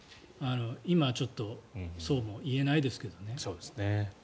今、ちょっとそうも言えないですけどね。